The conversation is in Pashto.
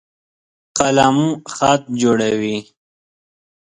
قلم خط جوړوي.